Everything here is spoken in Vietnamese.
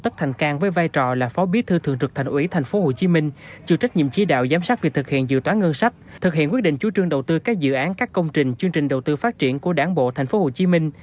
chủ trách nhiệm chí đạo giám sát việc thực hiện dự toán ngân sách thực hiện quyết định chú trương đầu tư các dự án các công trình chương trình đầu tư phát triển của đảng bộ tp hcm